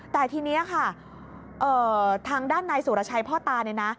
แต่ทีนี้ค่ะทางด้านนายสุรชัยพ่อตาเนี่ยนะ